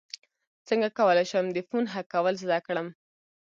څنګه کولی شم د فون هک کول زده کړم